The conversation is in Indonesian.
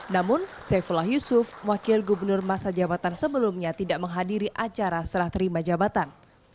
namun saifullah yusuf wakil gubernur masa jabatan sebelumnya tidak menghadiri acara serah terima jabatan